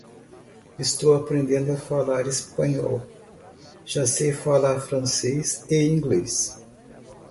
Estou aprendendo a falar espanhol, já sei falar francês e inglês.